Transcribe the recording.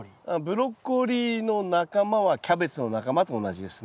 ブロッコリーの仲間はキャベツの仲間と同じですね？